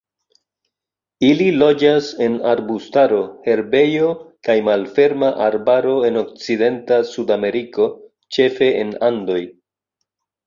Ili loĝas en arbustaro, herbejo kaj malferma arbaro en okcidenta Sudameriko, ĉefe en Andoj.